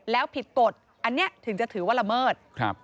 แล้วผิดกฎอันนี้ถึงจะถือว่าละเมิด